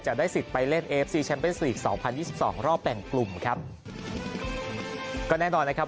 จะได้สิทธิ์ไปเล่นเอฟซีแชมเป็นลีกสองพันยี่สิบสองรอบแบ่งกลุ่มครับก็แน่นอนนะครับ